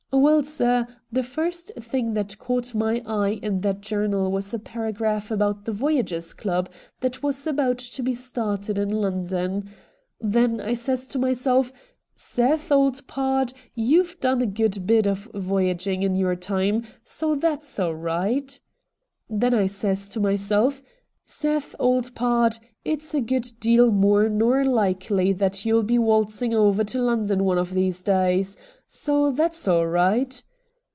Well, sir, the first thing that caught my eye in that journal was a paragraph about the Voyagers' Club that was about to be started in London. Then I says to myself, " Seth, old pard, you've done a good bit of voyaging in your time, so that's all right." Then I says to myself, " Seth, old pard, it's a good deal more nor likely that you'll be waltzing over to Lon don one of these days. So that's all right."